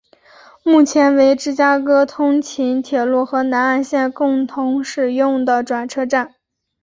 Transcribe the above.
目前为芝加哥通勤铁路和南岸线共同使用的转车站。